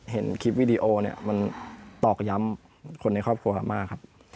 เห็นคลิปวิดีโอเนี่ยมันตอกย้ำคนในครอบครัวมากครับ